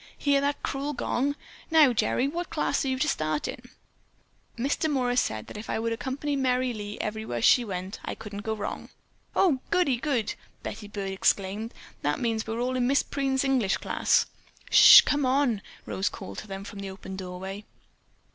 Hear that cruel gong! Now, Gerry, what class are you to start in?" "Miss Demorest said that if I would accompany Merry Lee everywhere that she went, I couldn't go wrong." "Oh, goodie good!" Betty Byrd exclaimed. "That means we are all in Miss Preen's English class." "Shh! Come on!" Rose called to them from the open doorway.